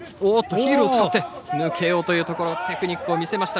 ヒールを使って抜けようというところテクニックを見せました